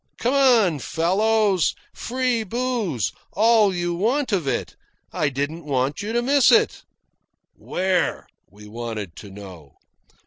"Come on, fellows free booze all you want of it. I didn't want you to miss it." "Where?" we wanted to know.